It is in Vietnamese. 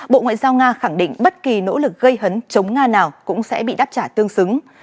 bộ ngoại giao nga khẳng định bất kỳ nỗ lực gây hấn chống nga nào cũng sẽ bị đáp trả tương xứng